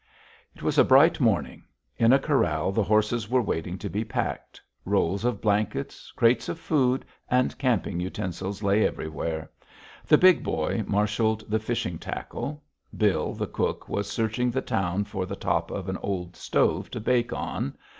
It was a bright morning. In a corral, the horses were waiting to be packed. Rolls of blankets, crates of food, and camping utensils lay everywhere. The Big Boy marshaled the fishing tackle. Bill, the cook, was searching the town for the top of an old stove to bake on.